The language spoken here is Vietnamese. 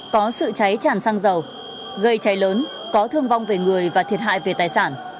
có sự cháy tràn xăng dầu gây cháy lớn có thương vong về người và thiệt hại về tài sản